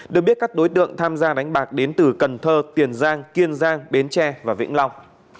được biết các đối tượng tham gia đánh bạc đến từ cần thơ tiền giang kiên giang bến tre và vĩnh long